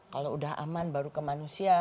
kalau udah aman baru ke manusia